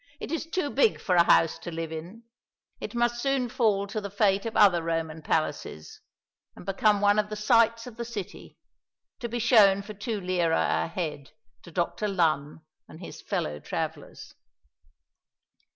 "It is too big for a house to live in. It must soon fall to the fate of other Roman palaces, and become one of the sights of the city; to be shown for two lire a head to Dr. Lunn and his fellow travellers."